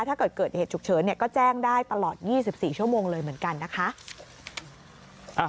ถ้าเกิดเกิดเหตุฉุกเฉินก็แจ้งได้ตลอด๒๔ชั่วโมงเลยเหมือนกันนะคะ